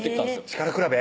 力比べ？